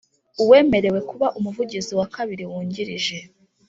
Uwemerewe kuba Umuvugizi wa Kabiri Wungirije